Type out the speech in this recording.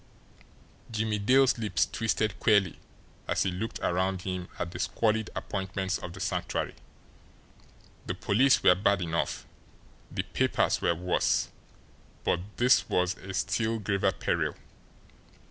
Jimmie Dale's lips twisted queerly as he looked around him at the squalid appointments of the Sanctuary. The police were bad enough, the papers were worse; but this was a still graver peril.